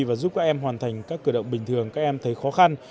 và giúp các em hoàn thành các cửa động bình thường các em thấy khó khăn